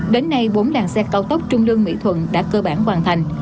đến nay bốn làng xe cao tốc trung lương mỹ thuận đã cơ bản hoàn thành